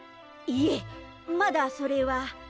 いえまだそれは。